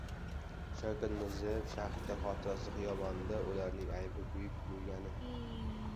Shavkat Mirziyoyev Shahidlar xotirasi xiyobonida: Ularning aybi - buyuk bo‘lgani